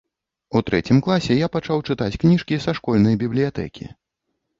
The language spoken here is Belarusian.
У трэцім класе я пачаў чытаць кніжкі са школьнай бібліятэкі.